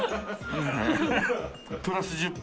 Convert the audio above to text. プラス１０歩。